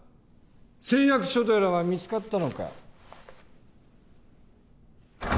誓約書とやらは見つかったのか？